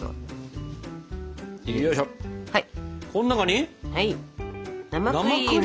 こん中に？